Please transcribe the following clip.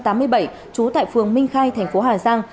trú tại phường minh khai thành phố hà giang